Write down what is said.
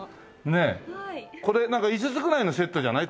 これなんか５つぐらいのセットじゃない？